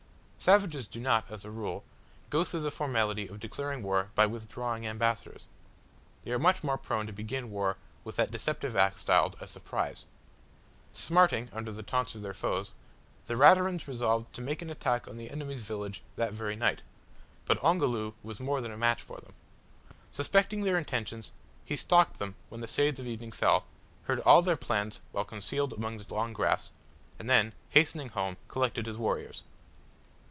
Savages do not, as a rule, go through the formality of declaring war by withdrawing ambassadors. They are much more prone to begin war with that deceptive act styled "a surprise." Smarting under the taunts of their foes, the Raturans resolved to make an attack on the enemy's village that very night, but Ongoloo was more than a match for them. Suspecting their intentions, he stalked them when the shades of evening fell, heard all their plans while concealed among the long grass, and then, hastening home, collected his warriors.